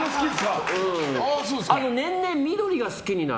年々、緑が好きになる。